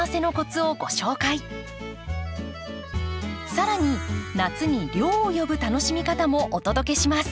更に夏に涼を呼ぶ楽しみ方もお届けします。